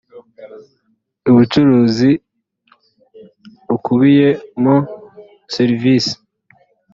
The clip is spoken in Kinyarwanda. ubucuruzi bukubiye mon a serivisi.